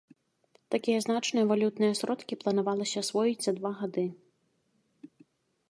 Такія значныя валютныя сродкі планавалася асвоіць за два гады.